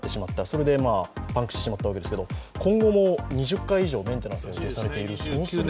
それでパンクしてしまったわけですけれども今後も２０回以上、メンテナンスを予定されている。